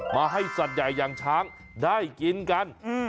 ให้สัตว์ใหญ่อย่างช้างได้กินกัน